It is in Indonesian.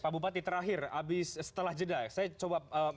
pak bupati terakhir setelah jeda